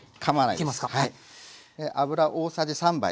油大さじ３杯。